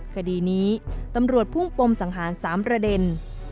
คดีนี้ตำรวจพุ่งปมสังหาร๓ประเด็น